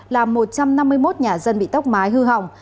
là một trăm năm mươi một nhà dân bị tóc mái hư hỏng